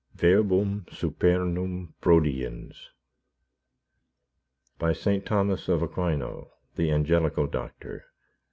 VERBUM SUPERNUM PRODIENS By St. Thomas of Aquino, the Angelical Doctor.